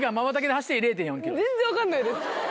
全然分かんないです。